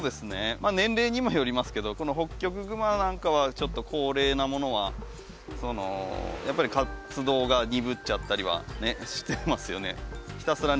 まあ年齢にもよりますけどこのホッキョクグマなんかはちょっと高齢なものはやっぱり活動が鈍っちゃったりはしてますよね。